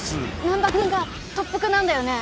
難破君が特服なんだよね？